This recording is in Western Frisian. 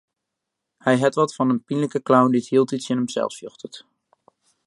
Hy hat wat fan in pynlike clown dy't hieltyd tsjin himsels fjochtet.